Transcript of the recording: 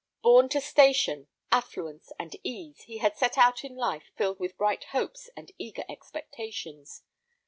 Born to station, affluence, and ease, he had set out in life filled with bright hopes and eager expectations.